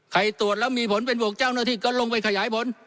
ตรวจแล้วมีผลเป็นบวกเจ้าหน้าที่ก็ลงไปขยายผล